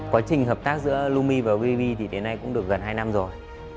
quá trình hợp tác giữa lumi và vb thì đến nay cũng được gần hai năm rồi